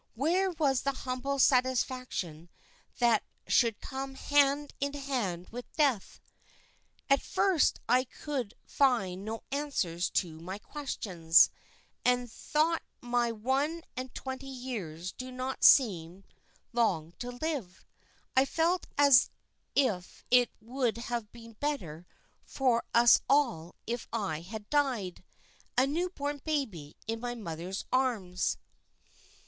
Where was the humble satisfaction that should come hand in hand with death? At first I could find no answers to my questions, and though my one and twenty years do not seem long to live, I felt as if it would have been better for us all if I had died, a new born baby in my mother's arms."